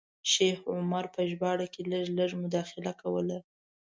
شیخ عمر په ژباړه کې لږ لږ مداخله کوله.